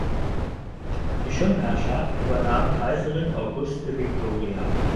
Die Schirmherrschaft übernahm Kaiserin Auguste Victoria.